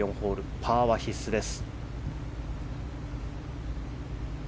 パーは必須です。